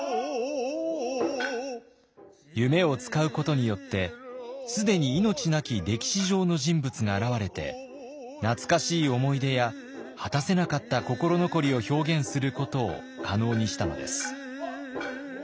夢を使うことによって既に命なき歴史上の人物が現れて懐かしい思い出や果たせなかった心残りを表現することを可能にしたのです。